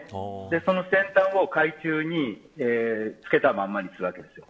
その先端を海中につけたままにするわけです。